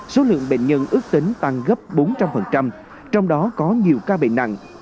số lượng bệnh nhân ước tính tăng gấp bốn trăm linh trong đó có nhiều ca bệnh nặng